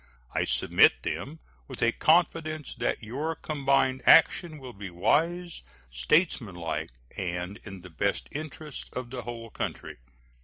I submit them with a confidence that your combined action will be wise, statesmanlike, and in the best interests of the whole country.